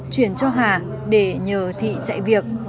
chuyển cho hà để nhờ thị chạy việc